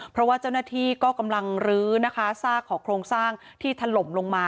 เพราะว่าเจ้าหน้าที่ก็กำลังลื้อนะคะซากของโครงสร้างที่ถล่มลงมา